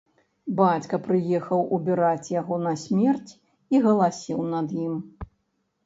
Бацька прыехаў убіраць яго на смерць і галасіў над ім.